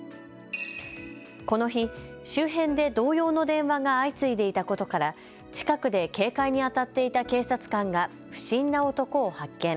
この日、周辺で同様の電話が相次いでいたことから近くで警戒にあたっていた警察官が不審な男を発見。